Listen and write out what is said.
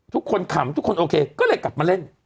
ขำทุกคนโอเคก็เลยกลับมาเล่น